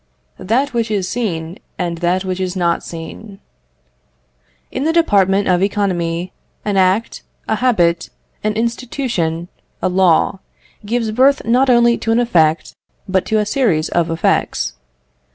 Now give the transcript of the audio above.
That Which Is Seen, and That Which Is Not Seen In the department of economy, an act, a habit, an institution, a law, gives birth not only to an effect, but to a series of effects.